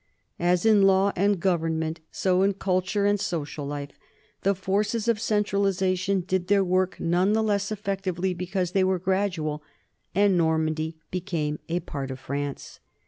As in law and government, so in culture and social life, the forces of centralization did their work none the less effectively because they were gradual, and Normandy became a part of France.